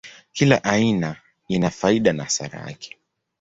Kila aina ina faida na hasara yake.